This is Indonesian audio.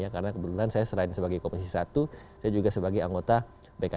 karena kebetulan saya selain sebagai komisi satu saya juga sebagai anggota bksap